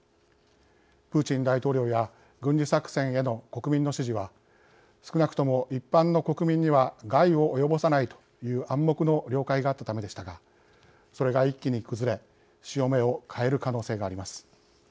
プーチン大統領や軍事作戦への国民の支持は少なくとも一般の国民には害を及ぼさないという暗黙の了解があったためでしたがそれが一気に崩れ潮目を変える可能性があります。